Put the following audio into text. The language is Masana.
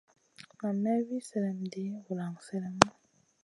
Nan may wi sèlèm ɗi vulan sélèmu.